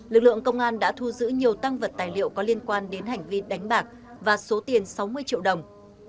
lực lượng công an đã thu giữ nhiều tăng vật tài liệu có liên quan đến hành vi đánh bạc và số tiền sáu mươi triệu đồng